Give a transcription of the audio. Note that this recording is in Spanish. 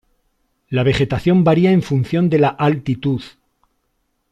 La vegetación varía en función de la altitud.